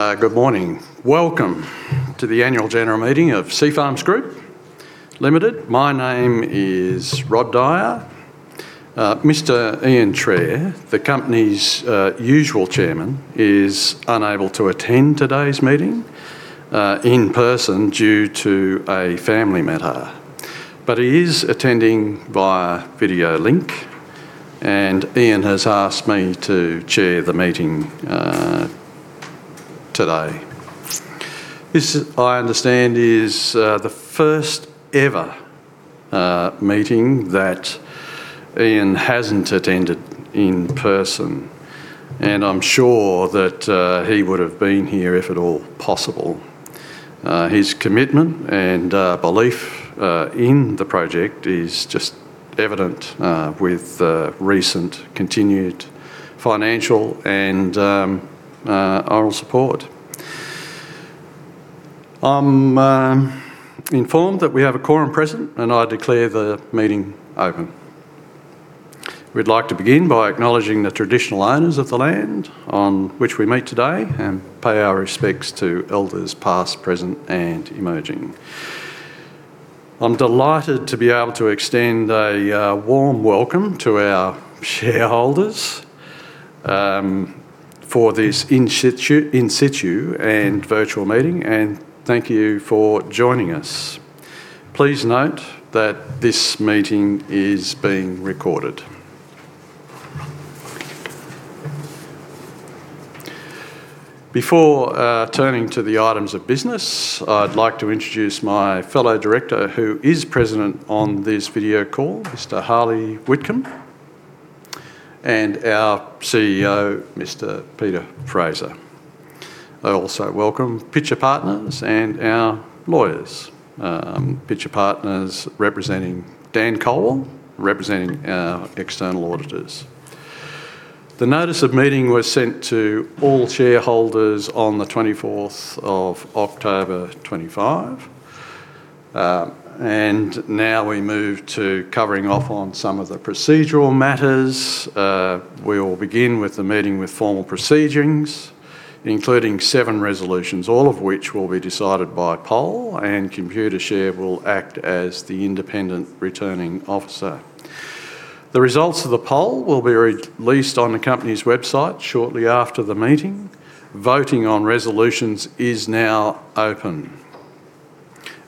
Good morning. Welcome to the annual general meeting of Seafarms Group Limited. My name is Rod Dyer. Mr. Ian Trahar, the company's usual Chairman, is unable to attend today's meeting in person due to a family matter, but he is attending via video link, and Ian has asked me to chair the meeting today. This, I understand, is the first-ever meeting that Ian hasn't attended in person, and I'm sure that he would have been here if at all possible. His commitment and belief in the project is just evident with the recent continued financial and moral support. I'm informed that we have a quorum present, and I declare the meeting open. We'd like to begin by acknowledging the traditional owners of the land on which we meet today and pay our respects to elders past, present, and emerging. I'm delighted to be able to extend a warm welcome to our shareholders for this in-situ and virtual meeting, and thank you for joining us. Please note that this meeting is being recorded. Before turning to the items of business, I'd like to introduce my fellow director, who is present on this video call, Mr. Harley Whitcombe, and our CEO, Mr. Peter Fraser. I also welcome Pitcher Partners and our lawyers, Pitcher Partners representing Dan Colwell, representing our external auditors. The notice of meeting was sent to all shareholders on the 24th of October 2025, and now we move to covering off on some of the procedural matters. We will begin with the meeting with formal proceedings, including seven resolutions, all of which will be decided by poll, and Computershare will act as the Independent Returning Officer. The results of the poll will be released on the company's website shortly after the meeting. Voting on resolutions is now open,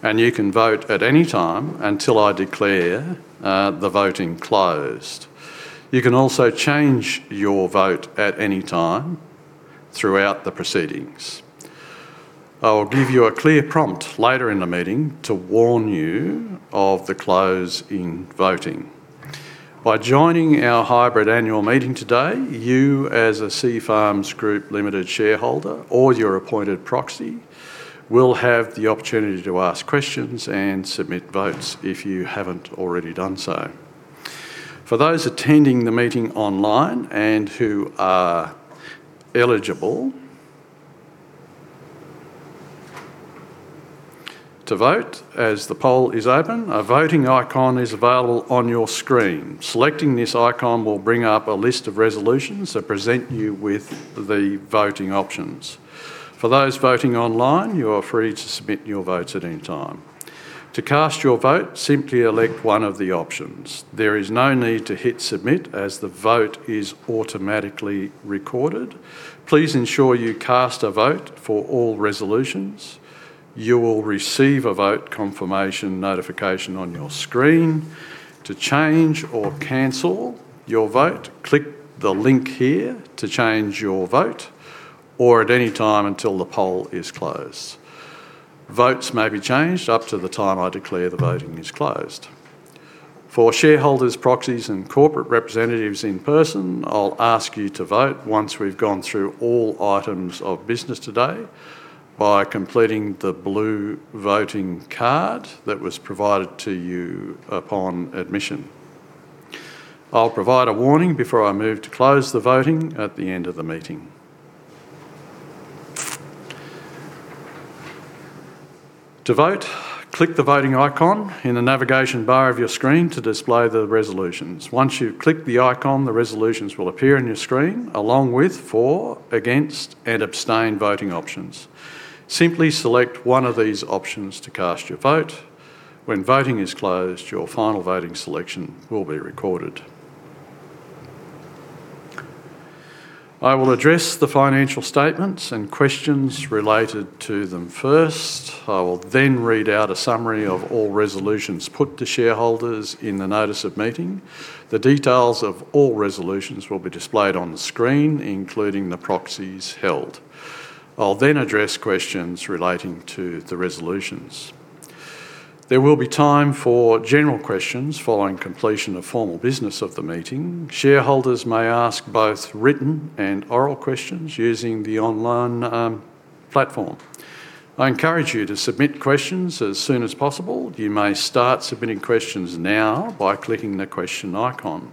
and you can vote at any time until I declare the voting closed. You can also change your vote at any time throughout the proceedings. I will give you a clear prompt later in the meeting to warn you of the close in voting. By joining our hybrid annual meeting today, you, as a Seafarms Group Limited shareholder or your appointed proxy, will have the opportunity to ask questions and submit votes if you haven't already done so. For those attending the meeting online and who are eligible to vote as the poll is open, a voting icon is available on your screen. Selecting this icon will bring up a list of resolutions that present you with the voting options. For those voting online, you are free to submit your votes at any time. To cast your vote, simply elect one of the options. There is no need to hit submit as the vote is automatically recorded. Please ensure you cast a vote for all resolutions. You will receive a vote confirmation notification on your screen. To change or cancel your vote, click the link here to change your vote or at any time until the poll is closed. Votes may be changed up to the time I declare the voting is closed. For shareholders, proxies, and corporate representatives in person, I'll ask you to vote once we've gone through all items of business today by completing the blue voting card that was provided to you upon admission. I'll provide a warning before I move to close the voting at the end of the meeting. To vote, click the voting icon in the navigation bar of your screen to display the resolutions. Once you've clicked the icon, the resolutions will appear on your screen along with for, against, and abstain voting options. Simply select one of these options to cast your vote. When voting is closed, your final voting selection will be recorded. I will address the financial statements and questions related to them first. I will then read out a summary of all resolutions put to shareholders in the notice of meeting. The details of all resolutions will be displayed on the screen, including the proxies held. I'll then address questions relating to the resolutions. There will be time for general questions following completion of formal business of the meeting. Shareholders may ask both written and oral questions using the online platform. I encourage you to submit questions as soon as possible. You may start submitting questions now by clicking the question icon.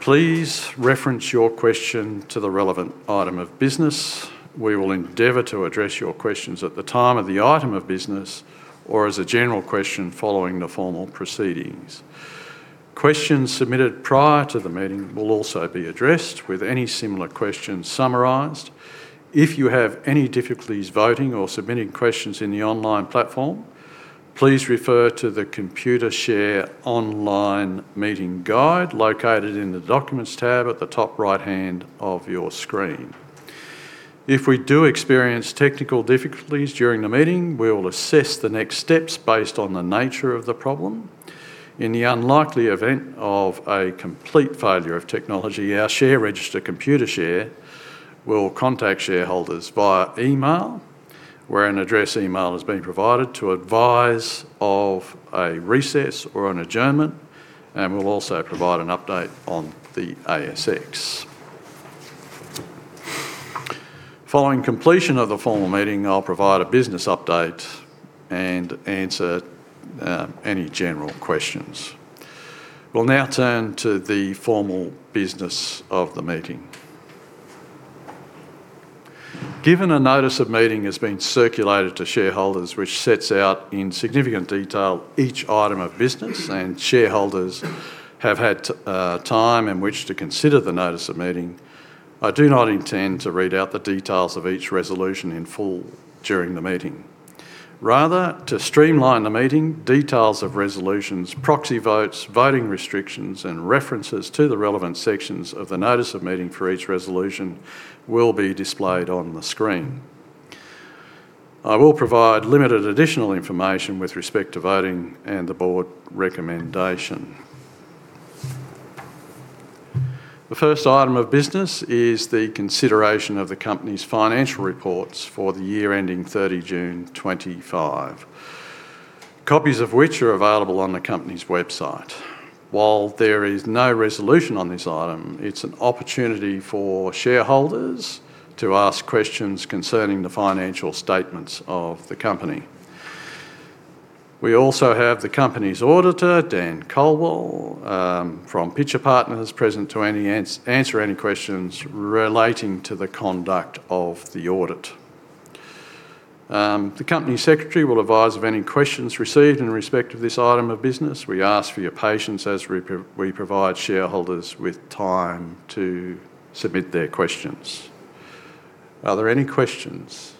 Please reference your question to the relevant item of business. We will endeavor to address your questions at the time of the item of business or as a general question following the formal proceedings. Questions submitted prior to the meeting will also be addressed with any similar questions summarized. If you have any difficulties voting or submitting questions in the online platform, please refer to the Computershare online meeting guide located in the documents tab at the top right hand of your screen. If we do experience technical difficulties during the meeting, we will assess the next steps based on the nature of the problem. In the unlikely event of a complete failure of technology, our share register, Computershare, will contact shareholders via email where an email address has been provided to advise of a recess or an adjournment, and we will also provide an update on the ASX. Following completion of the formal meeting, I'll provide a business update and answer any general questions. We'll now turn to the formal business of the meeting. Given a notice of meeting has been circulated to shareholders, which sets out in significant detail each item of business, and shareholders have had time in which to consider the notice of meeting, I do not intend to read out the details of each resolution in full during the meeting. Rather, to streamline the meeting, details of resolutions, proxy votes, voting restrictions, and references to the relevant sections of the notice of meeting for each resolution will be displayed on the screen. I will provide limited additional information with respect to voting and the board recommendation. The first item of business is the consideration of the company's financial reports for the year ending 30 June 2025, copies of which are available on the company's website. While there is no resolution on this item, it's an opportunity for shareholders to ask questions concerning the financial statements of the company. We also have the company's auditor, Dan Colwell, from Pitcher Partners, present to answer any questions relating to the conduct of the audit. The company secretary will advise of any questions received in respect of this item of business. We ask for your patience as we provide shareholders with time to submit their questions. Are there any questions?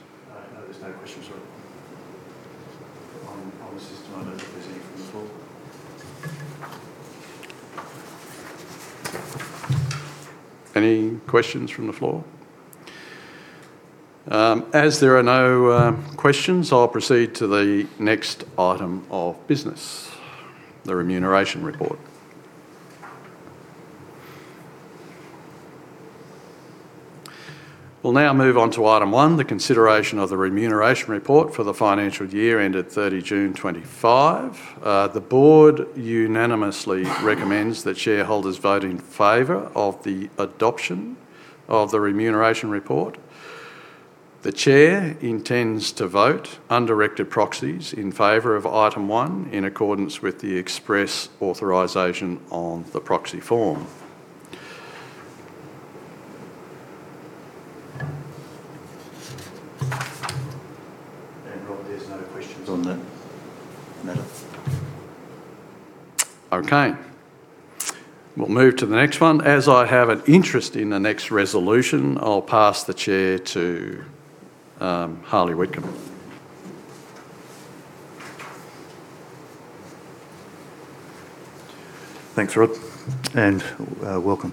No, there's no questions on the system. I don't think there's any from the floor. Any questions from the floor? As there are no questions, I'll proceed to the next item of business, the remuneration report. We'll now move on to item one, the consideration of the remuneration report for the financial year ended 30 June 2025. The board unanimously recommends that shareholders vote in favor of the adoption of the remuneration report. The Chair intends to vote under record proxies in favor of item one in accordance with the express authorization on the proxy form. There are no questions on that matter. Okay. We'll move to the next one. As I have an interest in the next resolution, I'll pass the chair to Harley Whitcombe. Thanks, Rod, and welcome.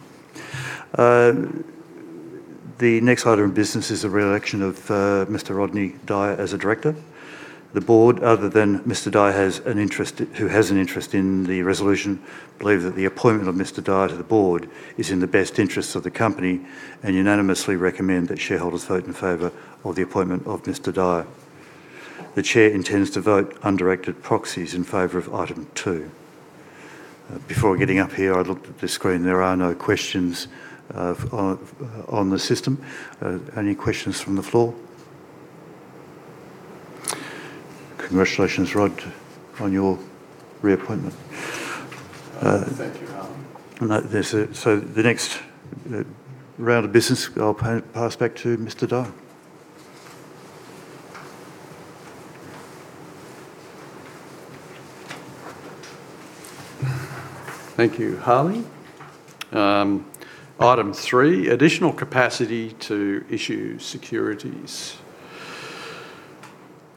The next item of business is the reelection of Mr. Rodney Dyer as a Director. The Board, other than Mr. Dyer, has an interest in the resolution. I believe that the appointment of Mr. Dyer to the Board is in the best interests of the company and unanimously recommend that shareholders vote in favor of the appointment of Mr. Dyer. The Chair intends to vote under record proxies in favor of item two. Before getting up here, I looked at the screen. There are no questions on the system. Any questions from the floor? Congratulations, Rod, on your reappointment. The next round of business, I'll pass back to Mr. Dyer. Thank you, Harley. Item three, additional capacity to issue securities.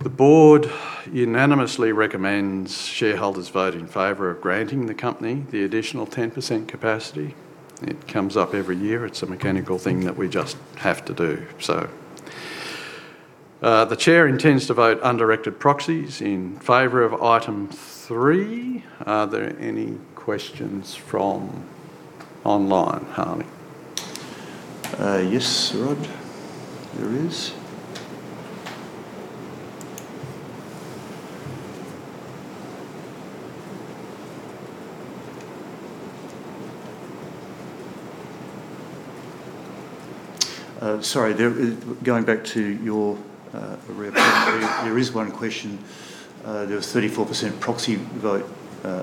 The board unanimously recommends shareholders vote in favor of granting the company the additional 10% capacity. It comes up every year. It is a mechanical thing that we just have to do. The Chair intends to vote under record proxies in favor of item three. Are there any questions from online, Harley? Yes, Rod, there is. Sorry, going back to your reappointment, there is one question. There was 34% proxy vote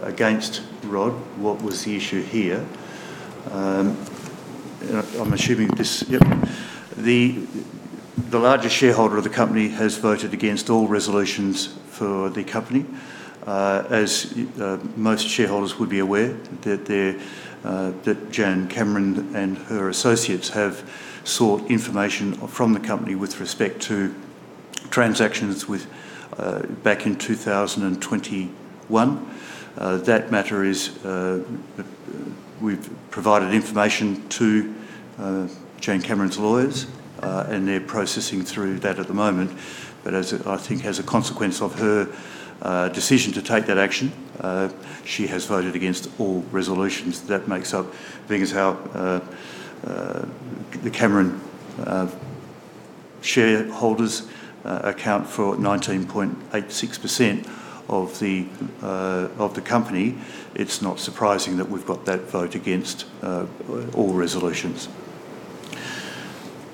against Rod. What was the issue here? I'm assuming this. Yep. The larger shareholder of the company has voted against all resolutions for the company. As most shareholders would be aware, that Jan Cameron and her associates have sought information from the company with respect to transactions back in 2021. That matter is we've provided information to Jan Cameron's lawyers, and they're processing through that at the moment. I think as a consequence of her decision to take that action, she has voted against all resolutions. That makes up biggest, the Cameron shareholders account for 19.86% of the company. It's not surprising that we've got that vote against all resolutions.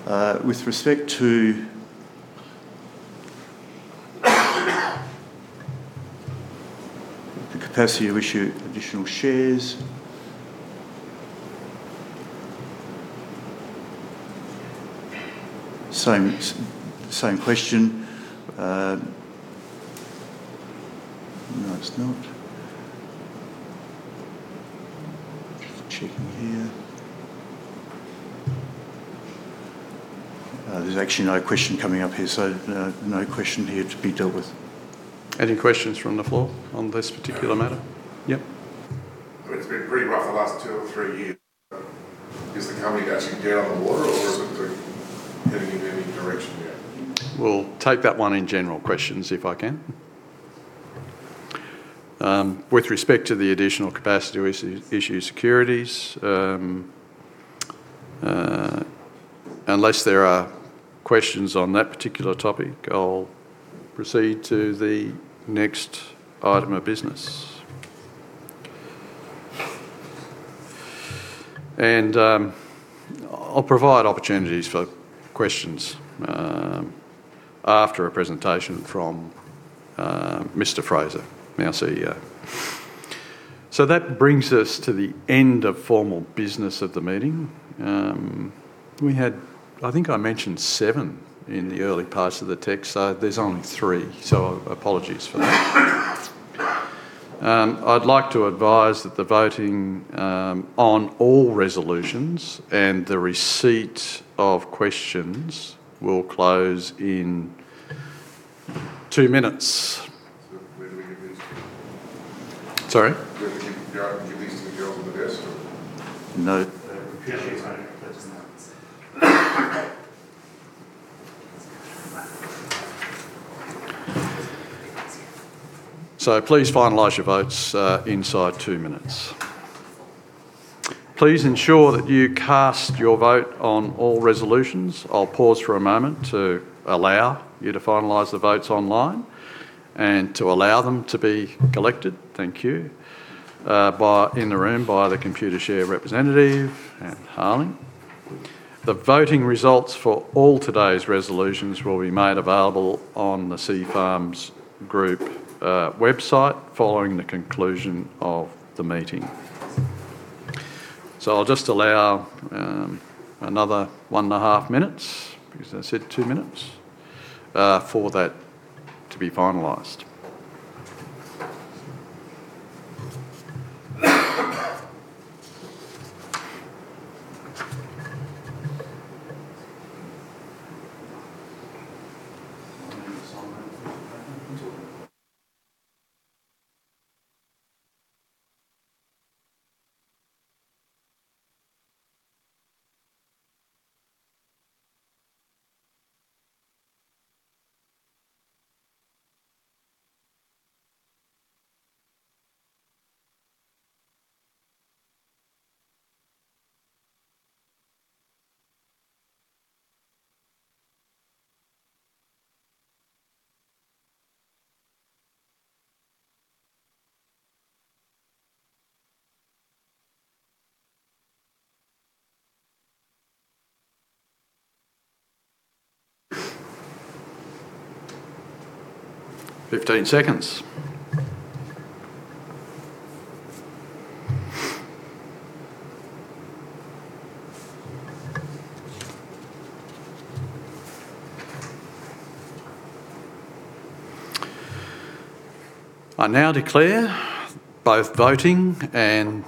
With respect to the capacity to issue additional shares, same question. No, it's not. Just checking here. There's actually no question coming up here, so no question here to be dealt with. Any questions from the floor on this particular matter? Yep. I mean, it's been pretty rough the last two or three years. Is the company actually dead on the water, or is it heading in any direction yet? We'll take that one in general questions if I can. With respect to the additional capacity to issue securities, unless there are questions on that particular topic, I'll proceed to the next item of business. I'll provide opportunities for questions after a presentation from Mr. Fraser, now CEO. That brings us to the end of formal business of the meeting. I think I mentioned seven in the early parts of the text, so there's only three. Apologies for that. I'd like to advise that the voting on all resolutions and the receipt of questions will close in two minutes. Where do we give these to? Sorry? Where do we give your item? Give these to the girls at the desk or? No. The pictures don't include them now. Please finalize your votes inside two minutes. Please ensure that you cast your vote on all resolutions. I'll pause for a moment to allow you to finalize the votes online and to allow them to be collected. Thank you. In the room, by the computer share representative and Harley. The voting results for all today's resolutions will be made available on the Seafarms Group website following the conclusion of the meeting. I'll just allow another one and a half minutes, as I said, two minutes, for that to be finalized. 15 seconds. I now declare both voting and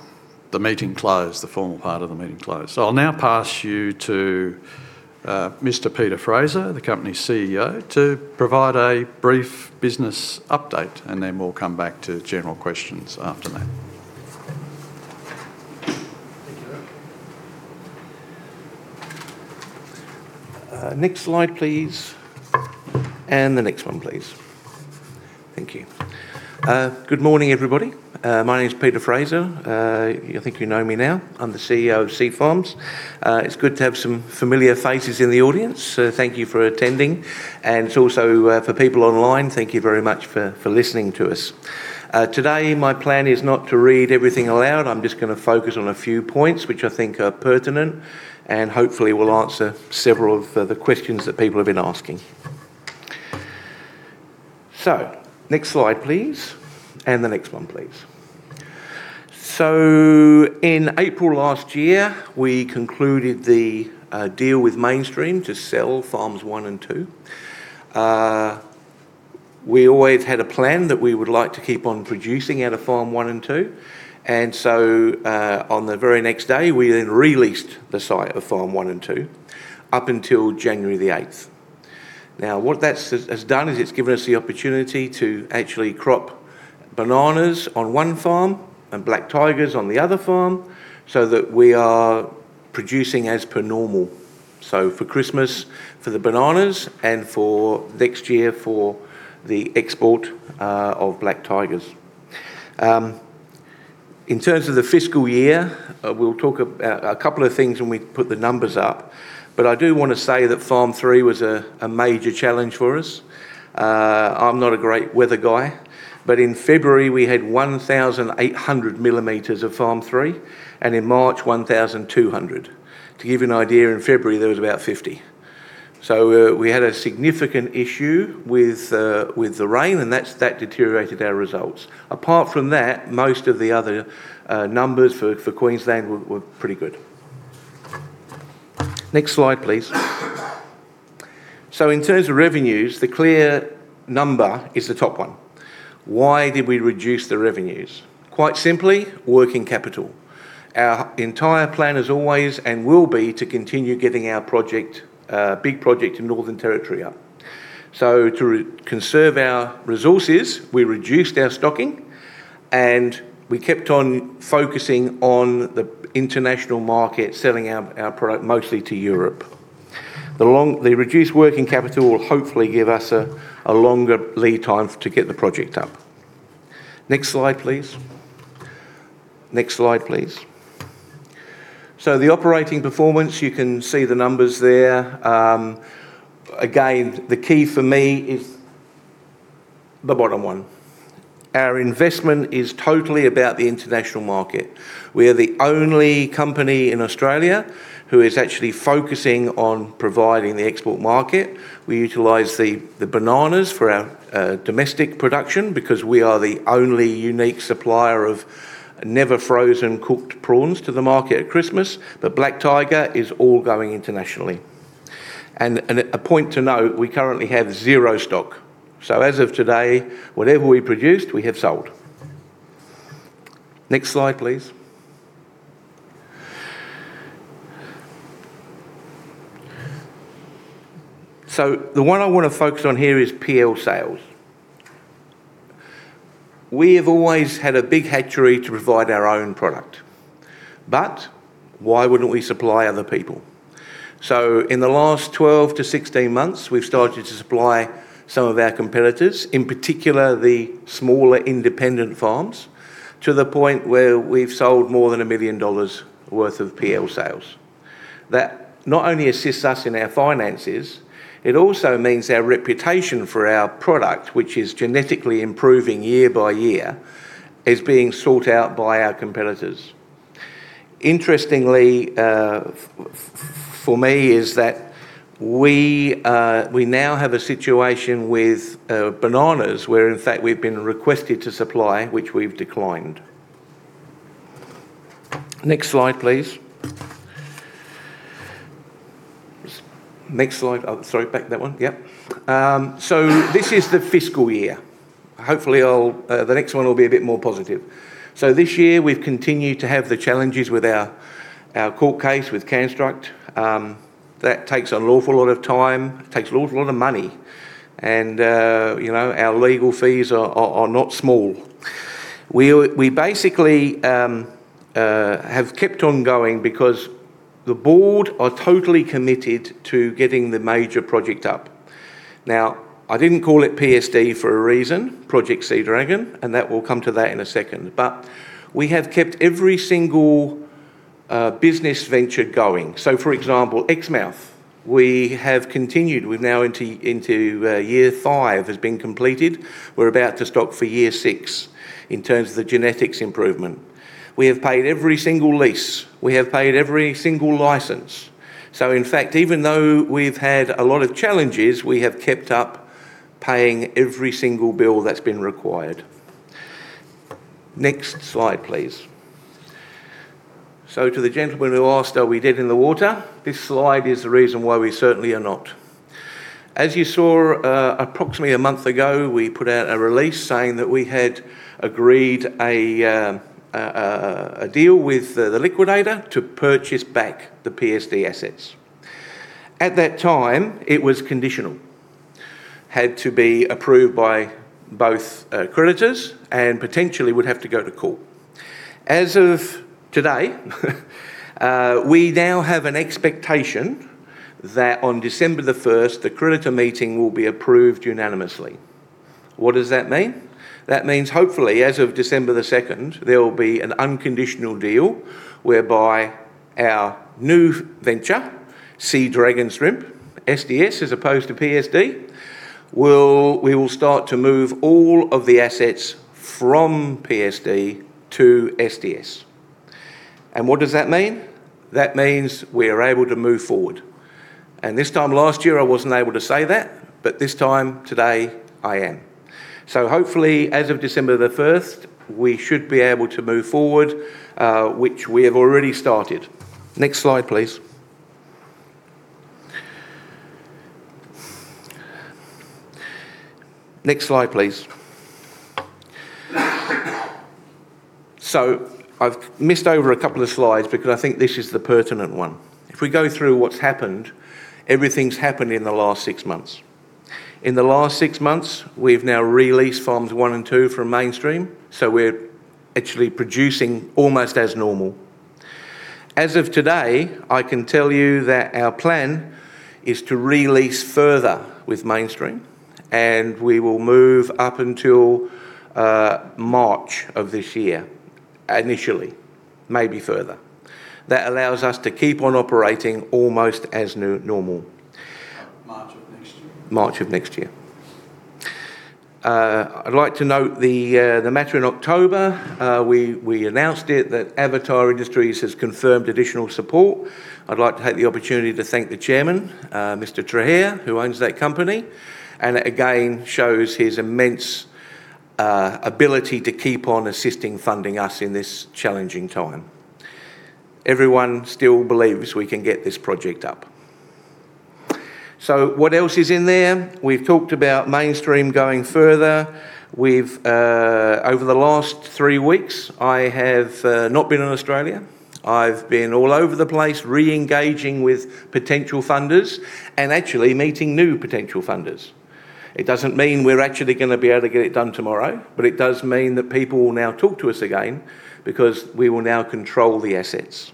the meeting closed, the formal part of the meeting closed. I'll now pass you to Mr. Peter Fraser, the company CEO, to provide a brief business update, and then we'll come back to general questions after that. Next slide, please. Next one, please. Thank you. Good morning, everybody. My name is Peter Fraser. I think you know me now. I'm the CEO of Seafarms. It's good to have some familiar faces in the audience. Thank you for attending. Also, for people online, thank you very much for listening to us. Today, my plan is not to read everything aloud. I'm just going to focus on a few points which I think are pertinent and hopefully will answer several of the questions that people have been asking. Next slide, please. The next one, please. In April last year, we concluded the deal with Main Stream to sell Farms One and Two. We always had a plan that we would like to keep on producing out of Farm One and Two. On the very next day, we then released the site of Farm One and Two up until January 8. What that has done is it's given us the opportunity to actually crop bananas on one farm and black tigers on the other farm so that we are producing as per normal. For Christmas, for the bananas, and for next year for the export of black tigers. In terms of the fiscal year, we'll talk about a couple of things when we put the numbers up. I do want to say that Farm Three was a major challenge for us. I'm not a great weather guy. In February, we had 1,800 mm at Farm Three, and in March, 1,200 mm. To give you an idea, in February, there was about 50. We had a significant issue with the rain, and that deteriorated our results. Apart from that, most of the other numbers for Queensland were pretty good. Next slide, please. In terms of revenues, the clear number is the top one. Why did we reduce the revenues? Quite simply, working capital. Our entire plan has always and will be to continue getting our big project in Northern Territory up. To conserve our resources, we reduced our stocking, and we kept on focusing on the international market, selling our product mostly to Europe. The reduced working capital will hopefully give us a longer lead time to get the project up. Next slide, please. Next slide, please. The operating performance, you can see the numbers there. Again, the key for me is the bottom one. Our investment is totally about the international market. We are the only company in Australia who is actually focusing on providing the export market. We utilize the bananas for our domestic production because we are the only unique supplier of never-frozen cooked prawns to the market at Christmas. Black tiger is all going internationally. A point to note, we currently have zero stock. As of today, whatever we produced, we have sold. Next slide, please. The one I want to focus on here is PL sales. We have always had a big hatchery to provide our own product. Why wouldn't we supply other people? In the last 12 months-16 months, we've started to supply some of our competitors, in particular the smaller independent farms, to the point where we've sold more than 1 million dollars worth of PL sales. That not only assists us in our finances, it also means our reputation for our product, which is genetically improving year-by-year, is being sought out by our competitors. Interestingly for me is that we now have a situation with bananas where, in fact, we've been requested to supply, which we've declined. Next slide, please. Next slide. Sorry, back that one. Yep. This is the fiscal year. Hopefully, the next one will be a bit more positive. This year, we've continued to have the challenges with our court case with Canstruct. That takes an awful lot of time. It takes an awful lot of money. Our legal fees are not small. We basically have kept on going because the board are totally committed to getting the major project up. Now, I did not call it PSD for a reason, Project Sea Dragon, and that we will come to that in a second. We have kept every single business venture going. For example, Exmouth, we have continued. We are now into year five, which has been completed. We are about to stock for year six in terms of the genetics improvement. We have paid every single lease. We have paid every single license. In fact, even though we have had a lot of challenges, we have kept up paying every single bill that has been required. Next slide, please. To the gentleman who asked, are we dead in the water? This slide is the reason why we certainly are not. As you saw, approximately a month ago, we put out a release saying that we had agreed a deal with the liquidator to purchase back the PSD assets. At that time, it was conditional. Had to be approved by both creditors and potentially would have to go to court. As of today, we now have an expectation that on December the 1st, the creditor meeting will be approved unanimously. What does that mean? That means hopefully, as of December the 2nd, there will be an unconditional deal whereby our new venture, Sea Dragon Shrimp SDS, as opposed to PSD, we will start to move all of the assets from PSD to SDS. What does that mean? That means we are able to move forward. This time last year, I wasn't able to say that, but this time today, I am. Hopefully, as of December the 1st, we should be able to move forward, which we have already started. Next slide, please. Next slide, please. I've missed over a couple of slides because I think this is the pertinent one. If we go through what's happened, everything's happened in the last six months. In the last six months, we've now released Farms One and Two from Main Stream, so we're actually producing almost as normal. As of today, I can tell you that our plan is to release further with Main Stream, and we will move up until March of this year, initially, maybe further. That allows us to keep on operating almost as normal. March of next year. March of next year. I'd like to note the matter in October. We announced it that Avatar Industries has confirmed additional support. I'd like to take the opportunity to thank the Chairman, Mr. Trahar, who owns that company. It again shows his immense ability to keep on assisting funding us in this challenging time. Everyone still believes we can get this project up. What else is in there? We've talked about Main Stream going further. Over the last three weeks, I have not been in Australia. I've been all over the place re-engaging with potential funders and actually meeting new potential funders. It doesn't mean we're actually going to be able to get it done tomorrow, but it does mean that people will now talk to us again because we will now control the assets.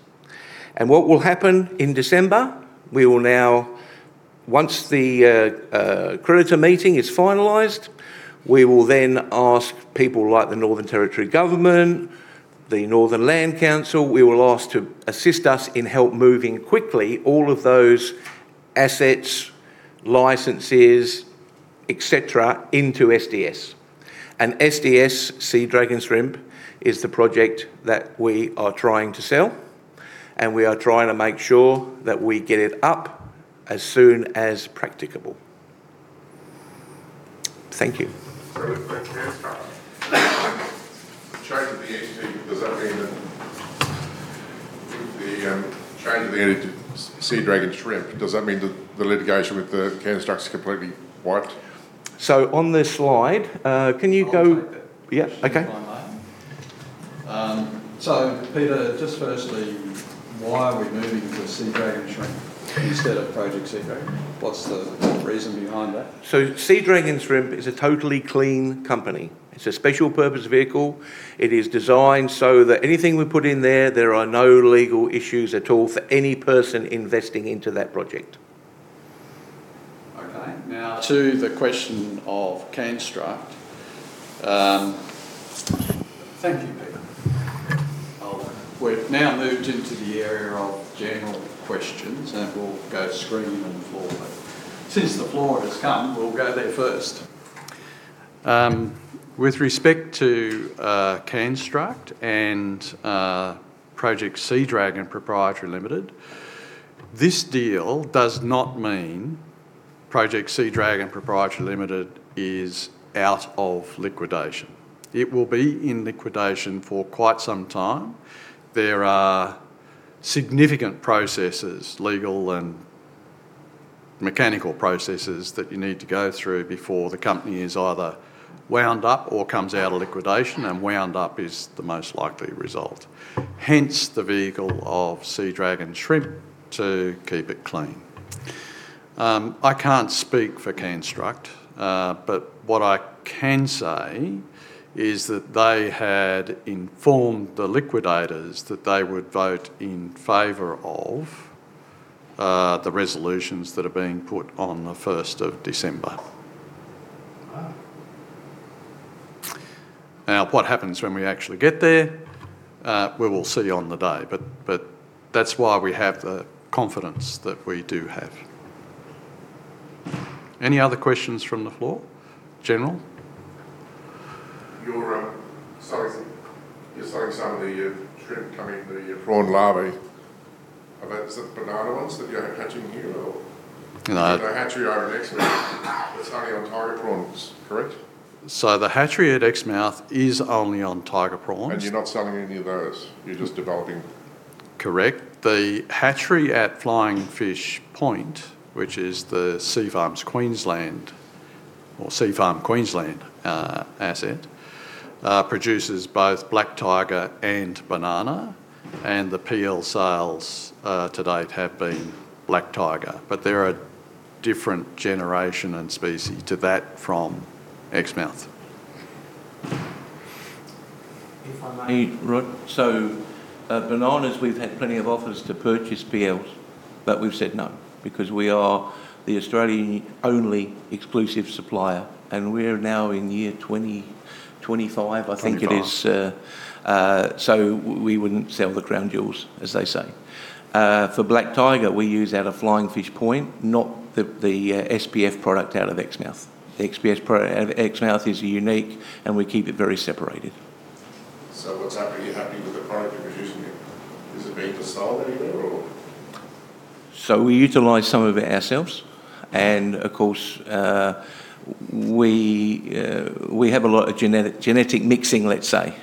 What will happen in December? Once the creditor meeting is finalized, we will then ask people like the Northern Territory Government, the Northern Land Council, we will ask to assist us in help moving quickly all of those assets, licenses, etc., into SDS. SDS, Sea Dragon Shrimp, is the project that we are trying to sell. We are trying to make sure that we get it up as soon as practicable. Thank you. Change of the entity, does that mean that the change of the entity, Sea Dragon Shrimp, does that mean that the litigation with Canstruct is completely wiped? On this slide, can you go? Yeah. Okay. Peter, just firstly, why are we moving to Sea Dragon Shrimp instead of Project Sea Dragon? What's the reason behind that? Sea Dragon Shrimp is a totally clean company. It's a special purpose vehicle. It is designed so that anything we put in there, there are no legal issues at all for any person investing into that project. Okay. Now to the question of Canstruct. Thank you, Peter. We've now moved into the area of general questions, and we'll go screen and floor. Since the floor has come, we'll go there first. With respect to Canstruct and Project Sea Dragon Propriety Limited, this deal does not mean Project Sea Dragon Propriety Limited is out of liquidation. It will be in liquidation for quite some time. There are significant processes, legal and mechanical processes, that you need to go through before the company is either wound up or comes out of liquidation. Wound up is the most likely result. Hence the vehicle of Sea Dragon Shrimp to keep it clean. I can't speak for Canstruct, but what I can say is that they had informed the liquidators that they would vote in favor of the resolutions that are being put on the 1st of December. Now, what happens when we actually get there? We will see on the day. That is why we have the confidence that we do have. Any other questions from the floor? General? Your summary of shrimp coming to your prawn lobby. Is it banana ones that you're hatching here or? The hatchery over at Exmouth is only on tiger prawns, correct? The hatchery at Exmouth is only on tiger prawns. And you're not selling any of those? You're just developing? Correct. The hatchery at Flying Fish Point, which is the Seafarms Queensland asset, produces both black tiger and banana. The PL sales to date have been black tiger. They're a different generation and species to that from Exmouth. Bananas, we've had plenty of offers to purchase PLs, but we've said no because we are the Australian-only exclusive supplier. We're now in year 2025, I think it is. We wouldn't sell the crown jewels, as they say. For black tiger, we use out of Flying Fish Point, not the SPF product out of Exmouth. The SPF product out of Exmouth is unique, and we keep it very separated. What is happening? Are you happy with the product you are producing here? Is it being distilled anywhere or? We utilize some of it ourselves. Of course, we have a lot of genetic mixing, let's say.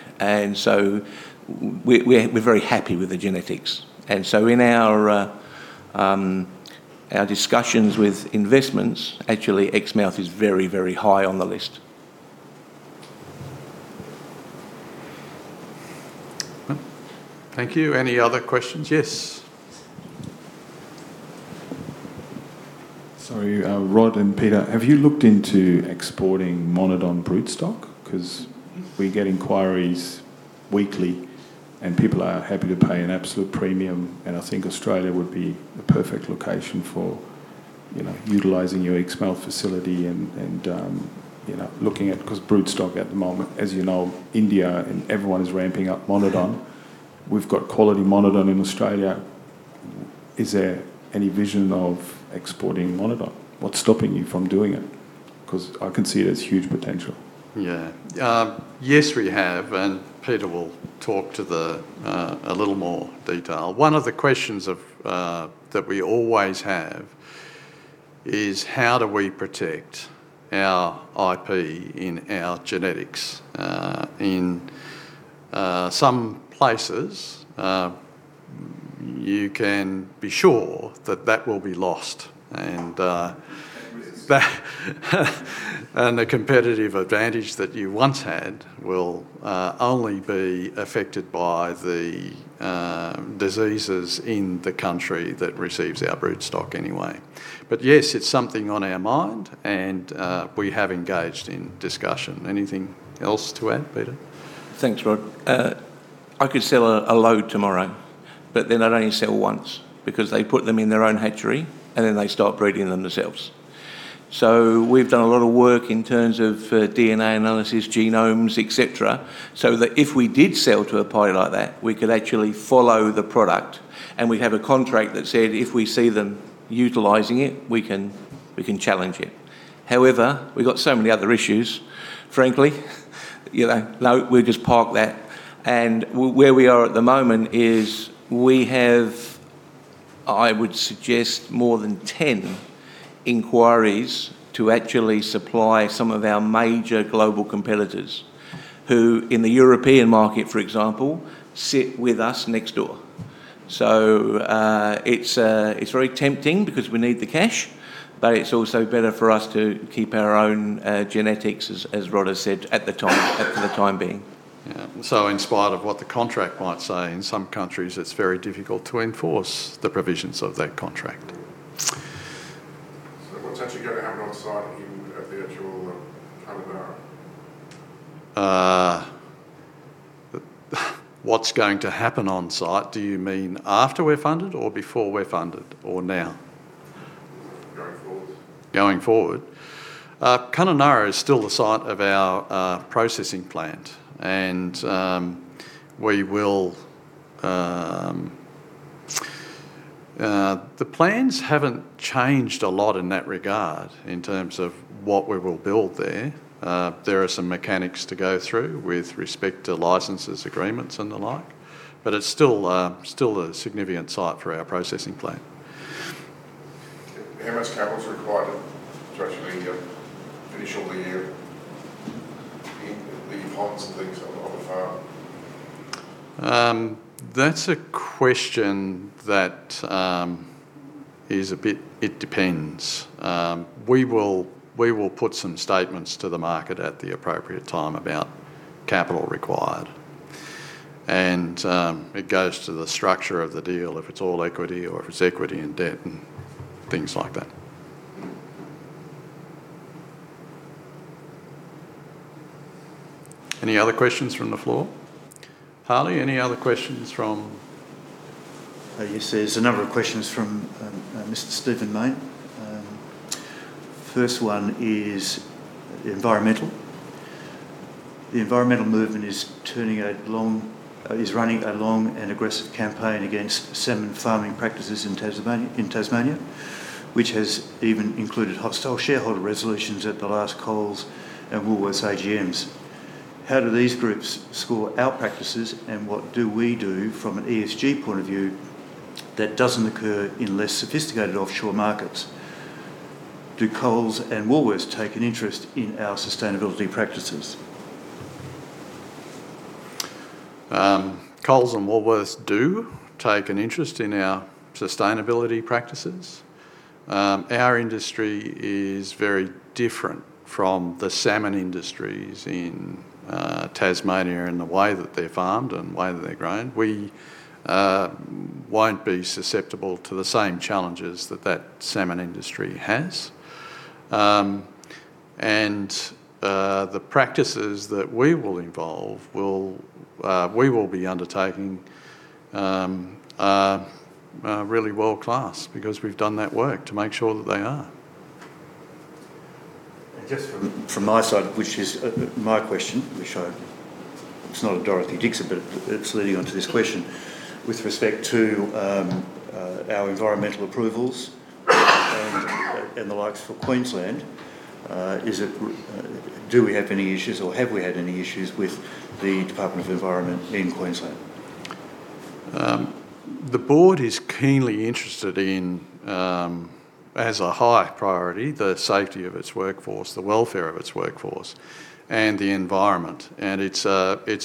We are very happy with the genetics. In our discussions with investments, actually, Exmouth is very, very high on the list. Thank you. Any other questions? Yes. Sorry, Rod and Peter, have you looked into exporting Monodon broodstock? We get inquiries weekly, and people are happy to pay an absolute premium. I think Australia would be a perfect location for utilizing your Exmouth facility and looking at because broodstock at the moment, as you know, India and everyone is ramping up Monodon. We've got quality Monodon in Australia. Is there any vision of exporting Monodon? What's stopping you from doing it? I can see it as huge potential. Yeah. Yes, we have. Peter will talk to the a little more detail. One of the questions that we always have is how do we protect our IP in our genetics? In some places, you can be sure that that will be lost. The competitive advantage that you once had will only be affected by the diseases in the country that receives our broodstock anyway. Yes, it's something on our mind, and we have engaged in discussion. Anything else to add, Peter? Thanks, Rod. I could sell a load tomorrow, but then I'd only sell once because they put them in their own hatchery, and then they start breeding them themselves. We've done a lot of work in terms of DNA analysis, genomes, etc., so that if we did sell to a party like that, we could actually follow the product. We have a contract that said if we see them utilizing it, we can challenge it. However, we've got so many other issues, frankly. No, we'll just park that. Where we are at the moment is we have, I would suggest, more than 10 inquiries to actually supply some of our major global competitors who in the European market, for example, sit with us next door. It's very tempting because we need the cash, but it's also better for us to keep our own genetics, as Rod has said, for the time being. Yeah. In spite of what the contract might say, in some countries, it's very difficult to enforce the provisions of that contract. What's actually going to happen on site in virtual kind of a? What's going to happen on site? Do you mean after we're funded or before we're funded or now? Going forward. Going forward. Kununurra is still the site of our processing plant. The plans haven't changed a lot in that regard in terms of what we will build there. There are some mechanics to go through with respect to licenses, agreements, and the like. It's still a significant site for our processing plant. How much capital is required to actually finish all the year? The funds and things of the farm? That's a question that is a bit it depends. We will put some statements to the market at the appropriate time about capital required. It goes to the structure of the deal, if it's all equity or if it's equity and debt and things like that. Any other questions from the floor? Harley, any other questions from? Yes, there's a number of questions from Mr. Stephen Mayne. First one is environmental. The environmental movement is running a long and aggressive campaign against salmon farming practices in Tasmania, which has even included hostile shareholder resolutions at the last Coles and Woolworths AGMs. How do these groups score our practices? What do we do from an ESG point of view that doesn't occur in less sophisticated offshore markets? Do Coles and Woolworths take an interest in our sustainability practices? Coles and Woolworths do take an interest in our sustainability practices. Our industry is very different from the salmon industries in Tasmania in the way that they're farmed and the way that they're grown. We won't be susceptible to the same challenges that that salmon industry has. The practices that we will involve, we will be undertaking are really world-class because we've done that work to make sure that they are. Just from my side, which is my question, which I, it's not a Dorothy Dixon, but it's leading on to this question. With respect to our environmental approvals and the likes for Queensland, do we have any issues or have we had any issues with the Department of Environment in Queensland? The board is keenly interested in, as a high priority, the safety of its workforce, the welfare of its workforce, and the environment. It is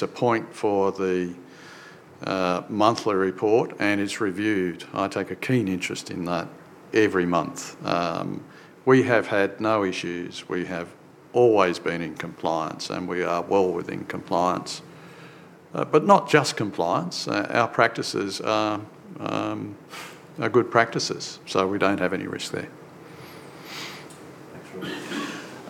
a point for the monthly report, and it is reviewed. I take a keen interest in that every month. We have had no issues. We have always been in compliance, and we are well within compliance. Not just compliance. Our practices are good practices, so we do not have any risk there. Thanks,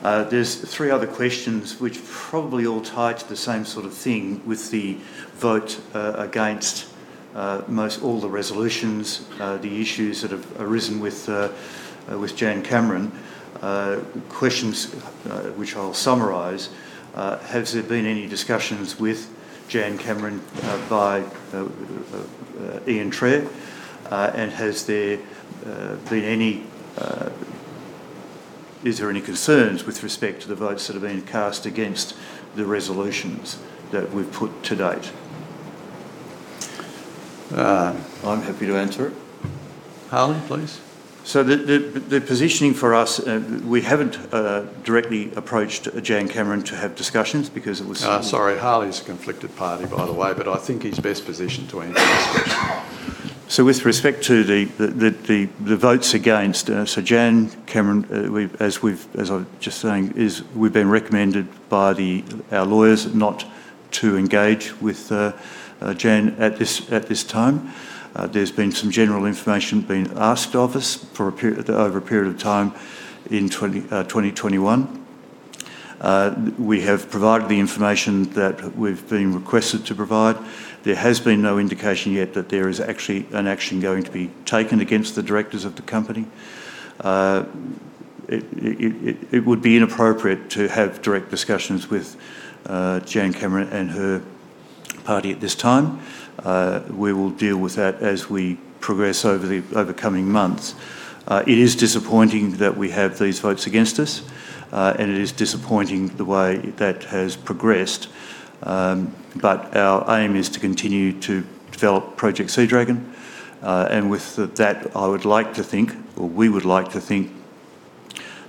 Rod. There are three other questions which probably all tie to the same sort of thing with the vote against all the resolutions, the issues that have arisen with Jan Cameron. Questions which I will summarize. Has there been any discussions with Jan Cameron by Ian Trahar? Is there any concerns with respect to the votes that have been cast against the resolutions that we have put to date? I'm happy to answer it. Harley, please. The positioning for us, we haven't directly approached Jan Cameron to have discussions because it was. Sorry, Harley's a conflicted party, by the way, but I think he's best positioned to answer this question. With respect to the votes against, Jan Cameron, as I was just saying, we've been recommended by our lawyers not to engage with Jan at this time. There's been some general information being asked of us over a period of time in 2021. We have provided the information that we've been requested to provide. There has been no indication yet that there is actually an action going to be taken against the directors of the company. It would be inappropriate to have direct discussions with Jan Cameron and her party at this time. We will deal with that as we progress over the coming months. It is disappointing that we have these votes against us, and it is disappointing the way that has progressed. Our aim is to continue to develop Project Sea Dragon. With that, I would like to think, or we would like to think,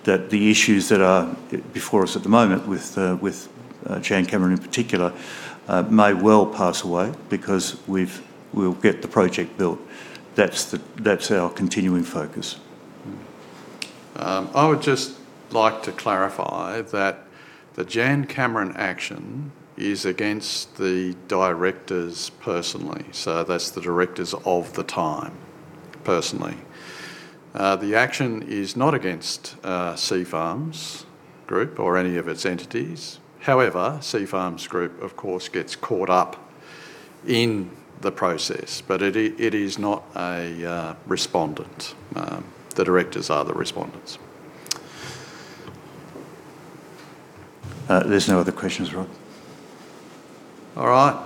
that the issues that are before us at the moment with Jan Cameron in particular may well pass away because we'll get the project built. That's our continuing focus. I would just like to clarify that the Jan Cameron action is against the directors personally. So that's the directors of the time personally. The action is not against Seafarms Group or any of its entities. However, Seafarms Group, of course, gets caught up in the process, but it is not a respondent. The directors are the respondents. There's no other questions, Rod. All right.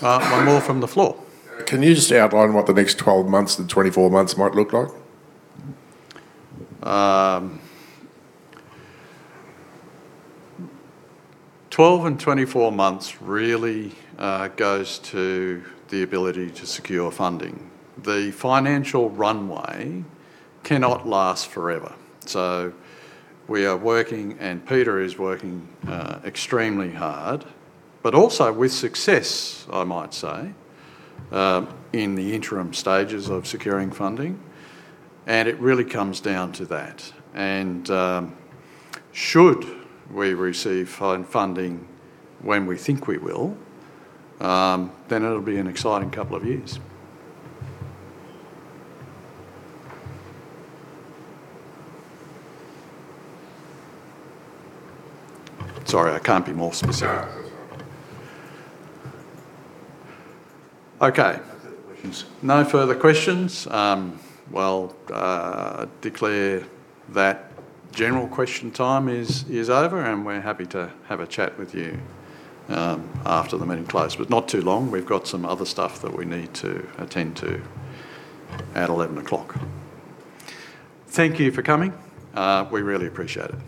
One more from the floor. Can you just outline what the next 12 months-24 months might look like? 12 and 24 months really goes to the ability to secure funding. The financial runway cannot last forever. We are working, and Peter is working extremely hard, but also with success, I might say, in the interim stages of securing funding. It really comes down to that. Should we receive funding when we think we will, it will be an exciting couple of years. Sorry, I can't be more specific. Okay. No further questions. I declare that general question time is over, and we're happy to have a chat with you after the meeting closes, but not too long. We've got some other stuff that we need to attend to at 11:00 A.M. Thank you for coming. We really appreciate it.